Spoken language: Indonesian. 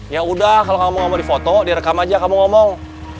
yaudah kalo kamu mau di foto direkam aja kamu ngomong